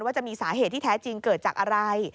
จะมีสาเหตุที่แท้จริงเกิดจากอะไร